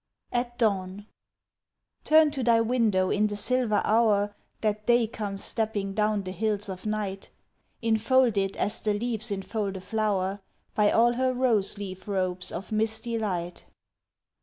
AT DAWN Turn to thy window in the silver hour That day comes stepping down the hills of night, Infolded as the leaves infold a flower By all her rose leaf robes of misty light.